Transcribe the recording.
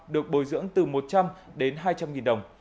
được bồi dưỡng từ một trăm linh đến hai trăm linh nghìn đồng